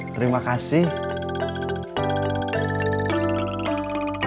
sampai jumpa di video selanjutnya